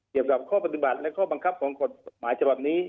เกี่ยวกับข้อปฏิบัติและข้อบังคับของกฎหมายฉบับนี้